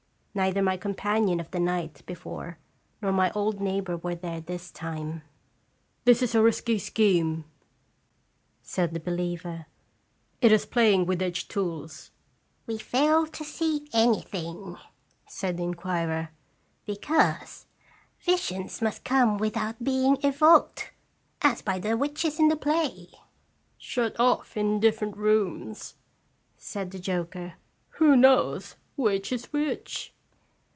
Neither my companion of the night before nor my old neighbor were there this time. 302 "&re tlje JDeertr "This is a risky scheme," said the believer; " it is playing with edged tools." "We fail to see anything," said the inquirer, "because visions must come without being evoked, as by the witches in the play." "Shut off in different rooms," said the joker, " who knows which is witch."